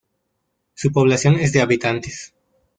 Su población es de habitantes.